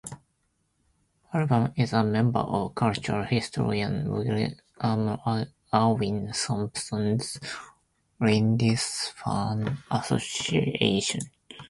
Abraham is a member of cultural historian William Irwin Thompson's Lindisfarne Association.